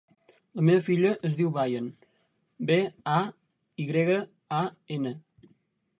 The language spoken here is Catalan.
La meva filla es diu Bayan: be, a, i grega, a, ena.